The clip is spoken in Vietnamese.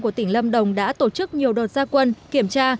của tỉnh lâm đồng đã tổ chức nhiều đợt gia quân kiểm tra